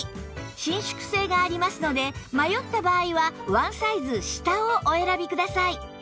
伸縮性がありますので迷った場合はワンサイズ下をお選びください